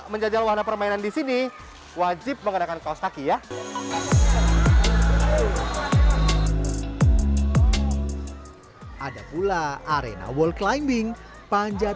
menjajal warna permainan di sini wajib mengenakan kaos kaki ya ada pula arena wall climbing panjat